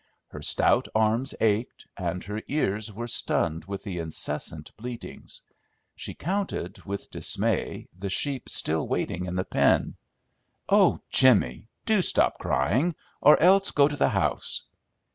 Her stout arms ached, and her ears were stunned with the incessant bleatings; she counted with dismay the sheep still waiting in the pen. "Oh, Jimmy! Do stop crying, or else go to the house!"